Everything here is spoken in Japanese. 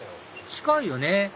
近いよね